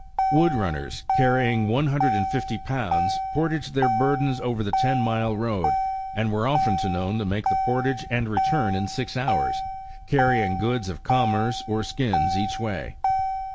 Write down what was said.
Wood runners, carrying one hundred and fifty pounds, por taged their burdens over the ten mile road, and were often known to make the portage and return in six hours, carrjdng goods of commerce or skins each way.